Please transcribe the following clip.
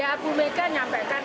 ya aku mereka nyampaikan